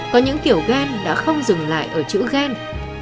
có những kiểu gan đã không dừng lại ở chữ ghen